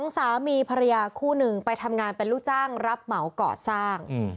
สามีภรรยาคู่หนึ่งไปทำงานเป็นลูกจ้างรับเหมาก่อสร้าง